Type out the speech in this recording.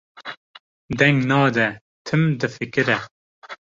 deng nade, tim difikire.